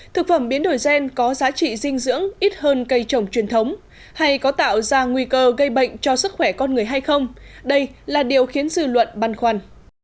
thực phẩm biến đổi gen có giá trị dinh dưỡng ít hơn cây trồng truyền thống hay có tạo ra nguy cơ gây bệnh cho sức khỏe con người hay không đây là điều khiến dư luận băn khoăn